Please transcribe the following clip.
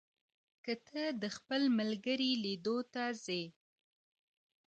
که ته د خپل ملګري لیدو ته ځې،